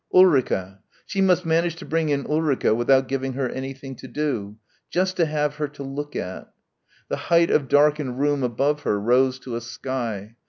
Ulrica. She must manage to bring in Ulrica without giving her anything to do. Just to have her to look at. The height of darkened room above her rose to a sky.